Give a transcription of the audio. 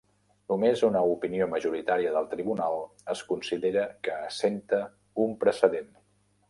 Només una opinió majoritària del tribunal es considera que assenta un precedent.